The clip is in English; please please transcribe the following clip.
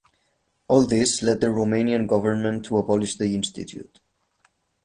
All this led the Romanian government to abolish the institute.